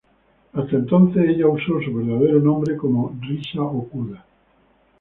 Hasta entonces, ella usó su verdadero nombre como Risa Okuda.